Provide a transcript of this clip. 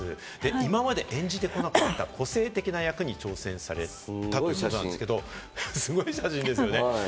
今まで演じてこられなかった個性的な役に挑戦されているということですけれども、すごい写真ですよね。